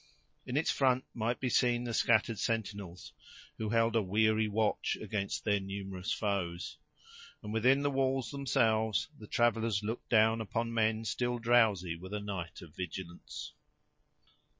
In its front might be seen the scattered sentinels, who held a weary watch against their numerous foes; and within the walls themselves, the travelers looked down upon men still drowsy with a night of vigilance.